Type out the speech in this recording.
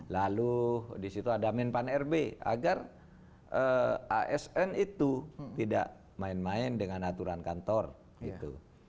lalu di situ ada min pan rb agar asn itu tidak main main dengan aturan kantor gitu